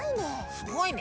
すごいね。